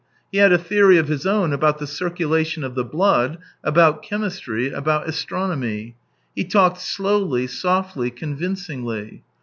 He had a theory of his own about the circulation of the blood, about chemistry, about astronomy. He talked slowly, softly, con vincingly.